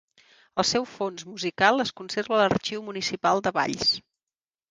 El seu fons musical es conserva a l'Arxiu Municipal de Valls.